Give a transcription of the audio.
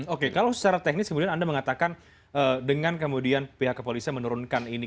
oke kalau secara teknis kemudian anda mengatakan dengan kemudian pihak kepolisian menurunkan ini